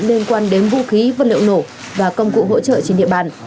liên quan đến vũ khí vật liệu nổ và công cụ hỗ trợ trên địa bàn